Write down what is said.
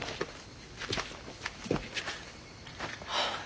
はあ。